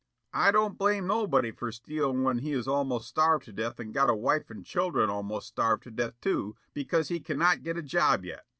"I don't blame nobody for stealing when he is almost starved to death and got a wife and children almost starved to death too because he cannot get a job yet.